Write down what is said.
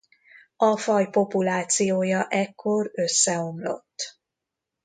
A faj populációja ekkor összeomlott.